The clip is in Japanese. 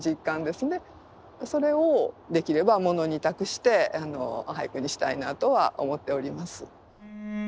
それをできればものに託して俳句にしたいなとは思っております。